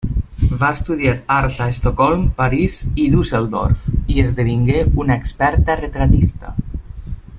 Va estudiar art a Estocolm, París i Düsseldorf, i esdevingué una experta retratista.